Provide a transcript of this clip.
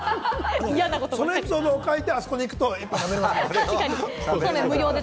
そのエピソードを書いてあそこに行くと１杯食べられますので。